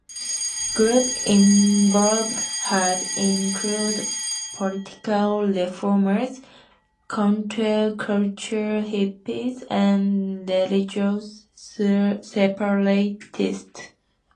Groups involved have included political reformers, counter-culture hippies, and religious separatists.